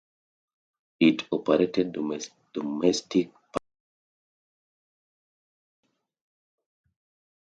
It operated domestic passenger services and charters.